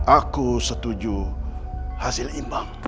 aku setuju hasil imbang